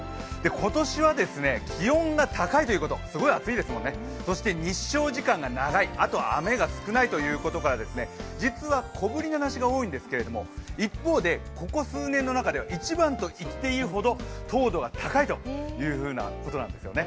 今年は気温が高いということ、すごい暑いですもんね、そして日照時間が長い、雨が少ないということから実は小ぶりな梨が多いんですけれども一方で一番と言っていいほど糖度が高いということなんですよね。